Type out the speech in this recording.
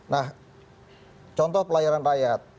nah contoh pelayaran rakyat